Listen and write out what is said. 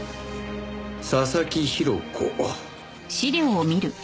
佐々木広子。